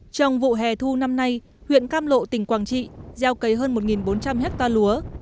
trong vụ hè thu năm nay huyện cam lộ tỉnh quảng trị gieo cấy hơn một bốn trăm linh hectare lúa